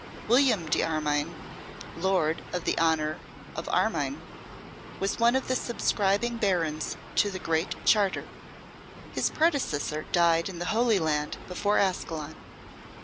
William D'Armyn, lord of the honour of Armyn, was one of the subscribing Barons to the Great Charter. His predecessor died in the Holy Land before Ascalon.